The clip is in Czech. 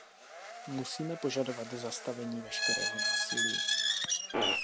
Musíme požadovat zastavení veškerého násilí.